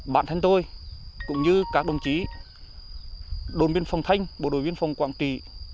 bạn thân tôi cũng như các đồng chí đồn biên phòng thành bộ đội biên phòng quảng trị